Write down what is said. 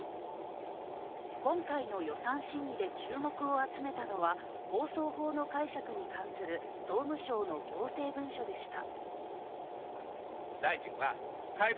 今回の予算審議で注目を集めたのは放送法の解釈に関する総務省の行政文書でした。